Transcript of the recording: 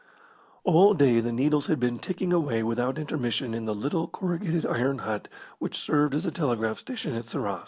All day the needles had been ticking away without intermission in the little corrugated iron hut which served as a telegraph station at Sarras.